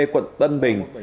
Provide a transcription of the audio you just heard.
quận tân bình